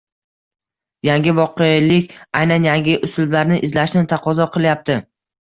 Yangi voqelik aynan yangi uslublarni izlashni taqozo qilyapti.